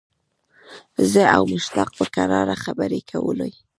زه او مشتاق په کراره خبرې کولې.